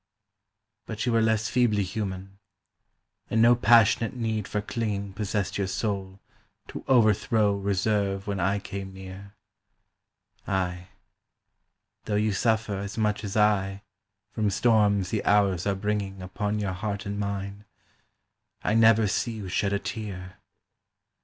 But you were less feebly human, and no passionate need for clinging Possessed your soul to overthrow reserve when I came near; Ay, though you suffer as much as I from storms the hours are bringing Upon your heart and mine, I never see you shed a tear.